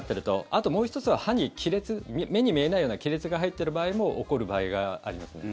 あともう１つは歯に目に見えないような亀裂が入っている場合も起こる場合がありますね。